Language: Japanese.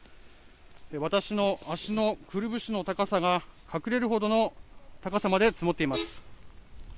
私の足のくるぶしの高さが隠れるほどの高さまで積もっています。